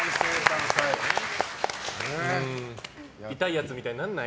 痛いやつみたいにならない？